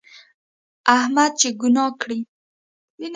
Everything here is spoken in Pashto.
احمد چې ګناه کړي،